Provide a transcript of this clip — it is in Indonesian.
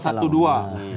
nah itu harus diundang